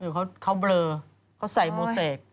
คือเขาเบลอเขาใส่โมเซค